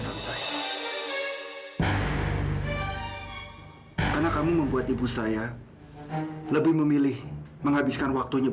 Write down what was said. sampai jumpa di video selanjutnya